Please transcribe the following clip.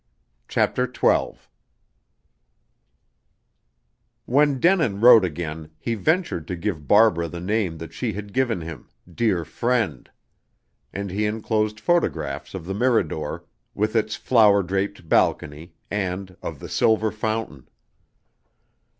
CHAPTER XII When Denin wrote again he ventured to give Barbara the name that she had given him, "Dear Friend." And he enclosed photographs of the Mirador, with its flower draped balcony, and of the "silver fountain."